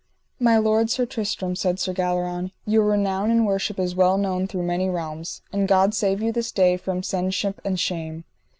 My lord Sir Tristram, said Sir Galleron, your renown and worship is well known through many realms, and God save you this day from shenship and shame.